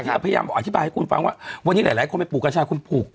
เราพยายามอธิบายให้คุณฟังว่าวันนี้หลายคนไปปลูกกัญชาคุณปลูก